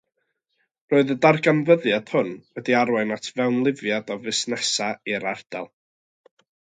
Roedd y darganfyddiad hwn wedi arwain at fewnlifiad o fusnesau i'r ardal.